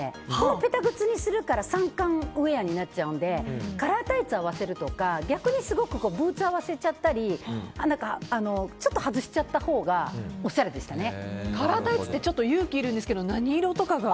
ペタ靴にするから参観ウェアになっちゃうのでカラータイツを合わせるとか逆にすごくブーツを合わせちゃったりちょっと外しちゃったほうがカラータイツって勇気がいるんですけど何色とかが？